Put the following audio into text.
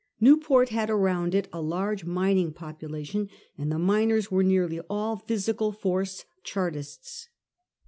Newport had around it a large mining population, and the miners were nearly all physical force Char tists.